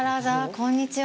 こんにちは。